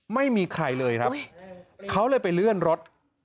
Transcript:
ไม่มีใครเลยครับเขาเลยไปเลื่อนรถ